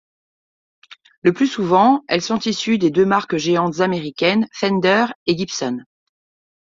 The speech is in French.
Le plus souvent, elles sont issues des deux marques géantes américaines Fender et Gibson.